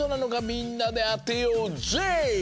みんなであてようぜい！